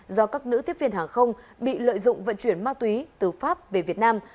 do các nữ tiếp viên hàng không bị lợi dụng vận chuyển ma túy từ pháp về việt nam